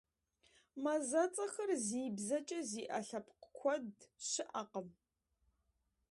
Мазэцӏэхэр зи бзэкӏэ зиӏэ лъэпкъ куэд щыӏэкъым.